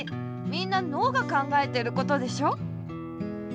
みんなのうがかんがえてることでしょ？